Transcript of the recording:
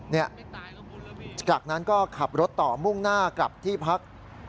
จากนั้นก็ขับรถต่อมุ่งหน้ากลับที่พัก